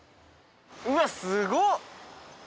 うわっすごっ！